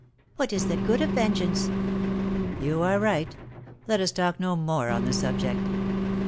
"What is the good of vengeance?" "You are right; let us talk no more on the subject."